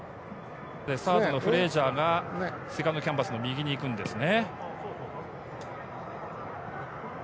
サードのフレイジャーがセカンドキャンバスの右に行くんですね。